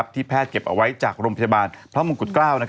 แพทย์เก็บเอาไว้จากโรงพยาบาลพระมงกุฎเกล้า